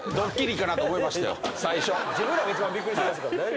自分らが一番びっくりしてますから。